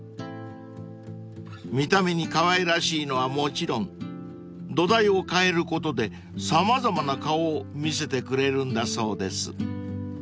［見た目にかわいらしいのはもちろん土台を変えることで様々な顔を見せてくれるんだそうです］